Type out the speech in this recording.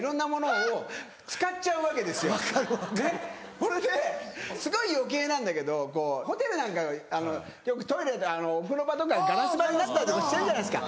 それですごい余計なんだけどホテルなんかよくトイレお風呂場とかガラス張りになったりとかしてるじゃないですか。